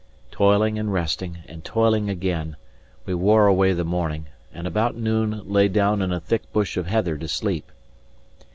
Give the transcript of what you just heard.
Toiling and resting and toiling again, we wore away the morning; and about noon lay down in a thick bush of heather to sleep.